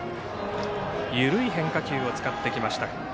緩い変化球を使ってきました。